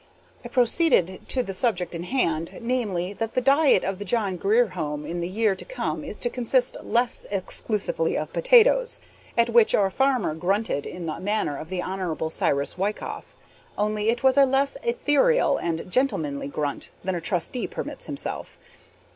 I proceeded to the subject in hand, namely, that the diet of the John Grier Home in the year to come is to consist less exclusively of potatoes. At which our farmer grunted in the manner of the Hon. Cyrus Wykoff, only it was a less ethereal and gentlemanly grunt than a trustee permits himself.